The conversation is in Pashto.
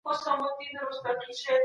په دې پړاو کي ځینې متحولین هم شتون لري.